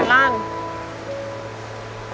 คุณสานนะ